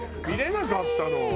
見れなかったの。